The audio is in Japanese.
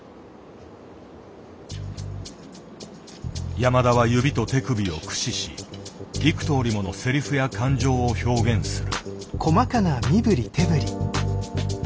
山田は指と手首を駆使し幾とおりものセリフや感情を表現する。